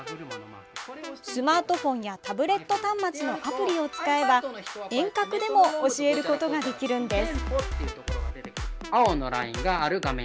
スマートフォンやタブレット端末のアプリを使えば遠隔でも教えることができるんです。